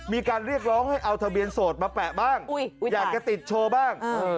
มีการเรียกร้องให้เอาทะเบียนโสดมาแปะบ้างอยากจะติดโชว์บ้าง